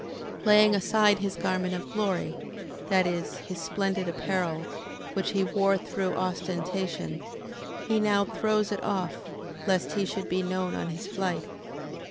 Laying aside his garment of glory... That is, his splendid apparel, which he wore through ostentation; he now throws it off, lest he should be known on his flight.